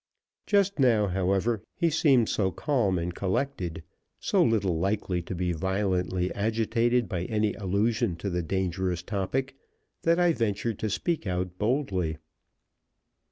Just now, however, he seemed so calm and collected so little likely to be violently agitated by any allusion to the dangerous topic, that I ventured to speak out boldly.